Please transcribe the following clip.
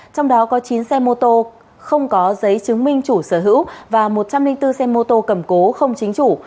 trong đó có chín xe mô tô không có giấy chứng minh chủ sở hữu và một trăm linh bốn xe mô tô cầm cố không chính chủ